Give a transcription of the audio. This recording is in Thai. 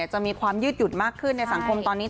จะมีความยืดหยุ่นมากขึ้นในสังคมตอนนี้